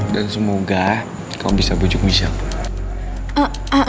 dan semoga kau bisa pujuk michelle